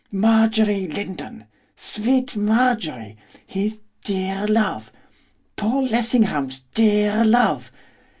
Marjorie Lindon! Sweet Marjorie! His dear love! Paul Lessingham's dear love!